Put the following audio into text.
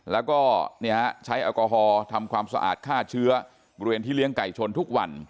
แล้วก็ใช้แอลกอฮอล์ทำความสะอาดฆ่าเชื้อบริเวณที่เลี้ยงไก่ชนทุกวัน